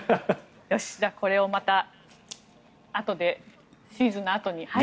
これをまた、あとでシーズンのあとに。